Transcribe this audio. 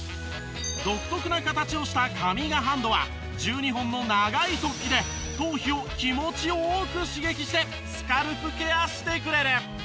独特な形をしたカミガハンドは１２本の長い突起で頭皮を気持ち良く刺激してスカルプケアしてくれる。